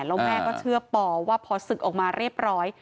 แล้วแม่ก็เชื่อปอว่าพอศึกออกมาเรียบร้อย